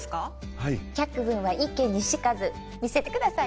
はい百聞は一見にしかず見せてください